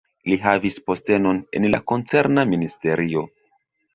Li havis postenon en la koncerna ministerio.